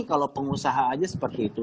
kalau pengusaha aja seperti itu